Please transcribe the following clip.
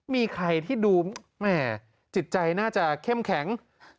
มีใครที่ดูแม่จิตใจน่าจะเข้มแข็ง